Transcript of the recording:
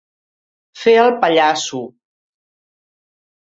Fer el pallasso.